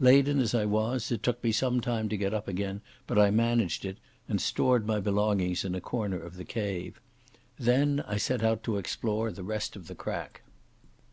Laden as I was, it took me some time to get up again, but I managed it, and stored my belongings in a corner of the cave. Then I set out to explore the rest of the crack.